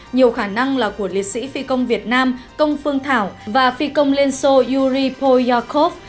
nhiều khả năng là của liệt sĩ phi công việt nam công phương thảo và phi công liên xô yuripoyakov